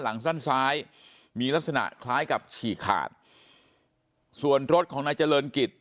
หลังสั้นซ้ายมีลักษณะคล้ายกับฉีกขาดส่วนรถของนายเจริญกิจ